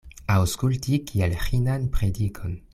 Aŭskulti kiel ĥinan predikon.